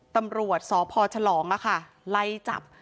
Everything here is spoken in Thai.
ตำรวจสพชะลองค่ะไล่จับ